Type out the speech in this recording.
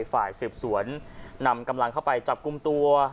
ฝ่ายสืบสวนนำกำลังเข้าไปจับกลุ่มตัว